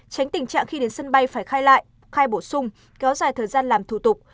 tránh tình trạng khi đến sân bay phải khai lại khai bổ sung kéo dài thời gian làm thủ tục